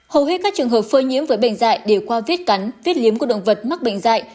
hầu hết các trường hợp phơi nhiễm với bệnh dạy đều qua viết cắn viết liếm của động vật mắc bệnh dạy